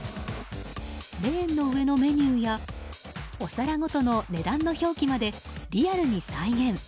レーンの上のメニューやお皿ごとの値段の表記まで、リアルに再現。